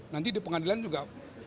nanti di pengadilan juga